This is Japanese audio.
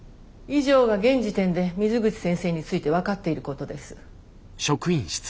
以上が現時点で水口先生について分かっていることです。